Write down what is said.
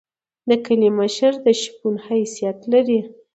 د کلی مشر د شپون حیثیت لري.